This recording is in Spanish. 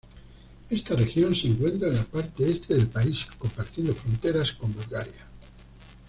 Esta región se encuentra en la parte este del país, compartiendo fronteras con Bulgaria.